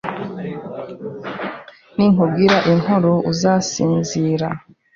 Ninkubwira inkuru, uzasinzira?